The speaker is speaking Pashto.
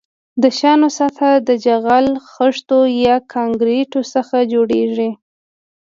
د شانو سطح د جغل، خښتو یا کانکریټو څخه جوړیږي